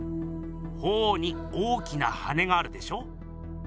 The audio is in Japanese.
鳳凰に大きな羽があるでしょ？